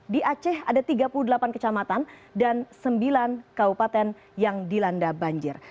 di aceh ada tiga puluh delapan kecamatan dan sembilan kabupaten yang dilanda banjir